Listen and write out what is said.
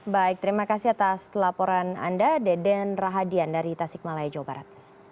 baik terima kasih atas laporan anda deden rahadian dari tasik malaya jawa barat